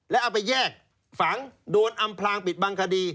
แล้วเอาไปแยกฝังโดนอำพลางปิดบังคดี